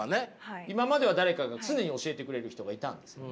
今までは誰かが常に教えてくれる人がいたんですね。